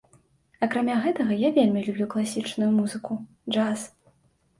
Акрамя гэтага я вельмі люблю класічную музыку, джаз.